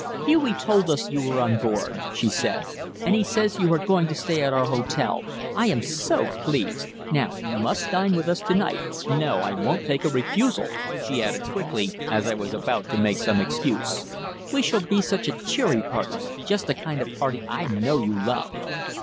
"Hughie told us you were on board," she said, "and he says you are going to stay at our hotel. I am so pleased. Now, you must dine with us to night no, I won't take a refusal," she added quickly, as I was about to make some excuse. "We shall be such a cheery party just the kind of party I know you love."